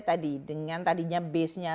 tadi dengan tadinya base nya